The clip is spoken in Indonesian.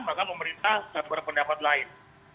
maka pemerintah berpendapat lain